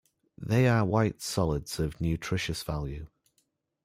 They are white solids of nutritious value.